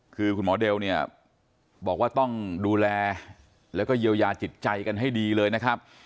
คือคุณหมอเดลเนี่ยบอกว่าต้องดูแลแล้วก็เยียวยาจิตใจกันให้ดีเลยนะครับ